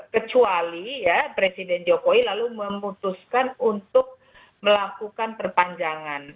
kecuali ya presiden jokowi lalu memutuskan untuk melakukan perpanjangan